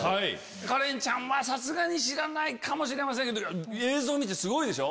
カレンちゃんはさすがに知らないかもしれませんけど映像見てすごいでしょ？